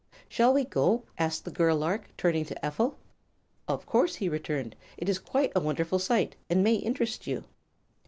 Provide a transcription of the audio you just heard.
"Shall we go?" asked the girl lark, turning to Ephel. "Of course," he returned. "It is quite a wonderful sight, and may interest you."